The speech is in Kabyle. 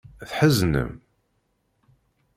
Tḥeznem?